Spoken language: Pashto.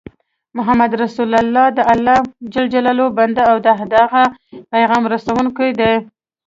محمد رسول الله دالله ج بنده او د د هغه پیغام رسوونکی دی